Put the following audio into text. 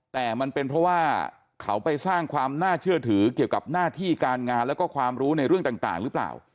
แต่มันเป็นเพราะว่าเขาไปสร้างความน่าเชื่อถือเกี่ยวกับหน้าที่การงานแล้วก็ความรู้ในเรื่องต่างหรือเปล่า